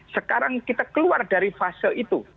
sekarang kita keluar dari fase itu